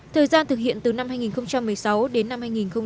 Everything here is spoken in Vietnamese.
thời gian thực hiện từ năm hai nghìn một mươi sáu đến năm hai nghìn hai mươi hai